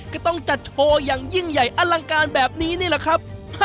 ก็ต้องจัดโชว์อย่างยิ่งใหญ่อลังการแบบนี้นี่แหละครับ